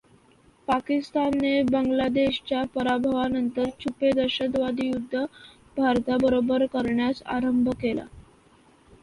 पाकिस्तानने बांगलादेशच्या पराभवानंतर छुपे दहशतवादी युद्ध भारताबरोबर करण्यास आरंभ केला.